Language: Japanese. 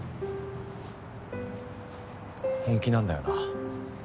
本気なんだよな？